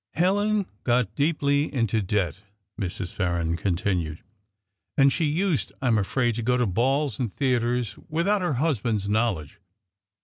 "Helen got deeply into debt," Mrs. Farren continued; "and she used, I am afraid, to go to balls and theatres without her husband's knowledge.